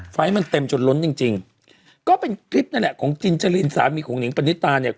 ไฟล์มันเต็มจนล้นจริงจริงก็เป็นคลิปนั่นแหละของจินจรินสามีของหนิงปณิตาเนี่ย